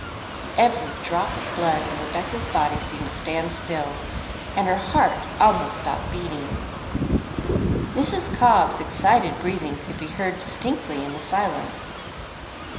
Every drop of blood in Rebecca's body seemed to stand still, and her heart almost stopped beating. Mrs. Cobb's excited breathing could be heard distinctly in the silence.